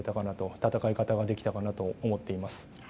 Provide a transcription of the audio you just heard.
戦い方ができたかなと思っています。